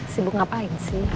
sibuk ngapain sih